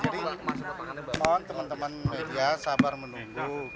jadi mohon teman teman media sabar menunggu